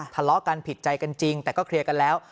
ทะเลาะกันผิดใจกันจริงแต่ก็เคลียร์กันแล้ว